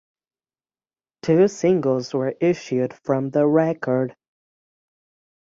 Two singles were issued from the record.